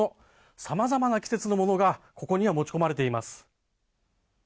さまざまな季節のものがここには持ち込まれています。